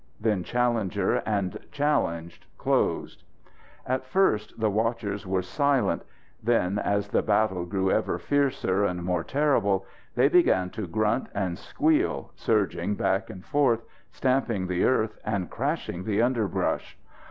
Then challenger and challenged closed. At first the watchers were silent. Then as the battle grew ever fiercer and more terrible, they began to grunt and squeal, surging back and forth, stamping the earth and crashing the underbrush.